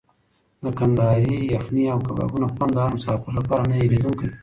د کندهاري یخني او کبابونو خوند د هر مسافر لپاره نه هېرېدونکی وي.